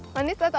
manis atau asem